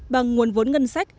bằng nguồn vốn ngân sách